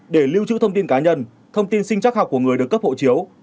để lưu trữ thông tin cá nhân thông tin sinh chắc học của người được cấp hộ chiếu